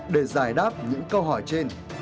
để giải đáp những câu hỏi trên